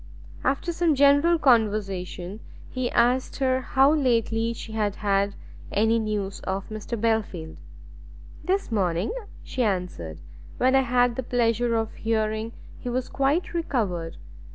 After some general conversation, he asked her how lately she had had any news of Mr Belfield? "This morning," she answered, "when I had the pleasure of hearing he was quite recovered.